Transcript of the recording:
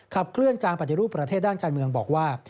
เคลื่อนการปฏิรูปประเทศด้านการเมืองบอกว่า